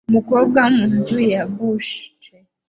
Umukobwa mu nzu ya bounce